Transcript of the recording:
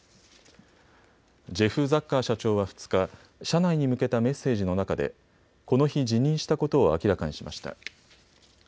ジェフ・ザッカー社長は２日、社内に向けたメッセージの中でこの日、辞任したことを明らかにしました。